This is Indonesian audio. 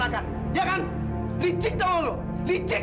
licik tau nggak lu licik tau nggak